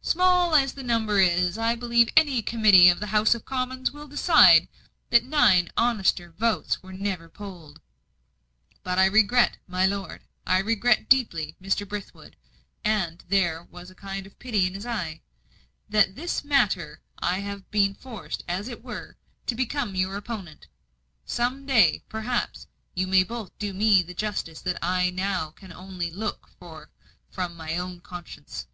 "Small as the number is, I believe any Committee of the House of Commons will decide that nine honester votes were never polled. But I regret, my lord I regret deeply, Mr. Brithwood," and there was a kind of pity in his eye "that in this matter I have been forced, as it were, to become your opponent. Some day, perhaps, you may both do me the justice that I now can only look for from my own conscience."